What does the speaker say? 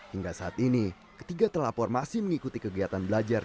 hingga saat ini ketiga telapor masih mengikuti kegiatan belajar